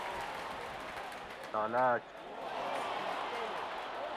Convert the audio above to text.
لالاۤچ جین تھی